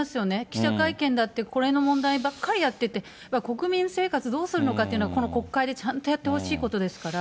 記者会見だって、これの問題ばっかりやってて、国民生活どうするのかっていうのは、この国会でちゃんとやってほしいことですから。